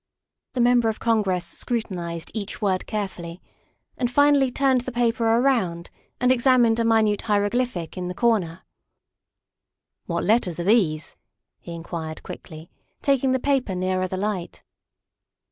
The Member of Congress scrutinized each word care fully and finally turned the paper around and examined a minute hieroglyphic in the corner. '' What letters are these ?" he inquired quickly, taking the paper nearer the light.